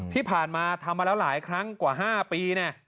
ที่ผ่านมาทำมาแล้วหลายครั้งกว่า๕ปี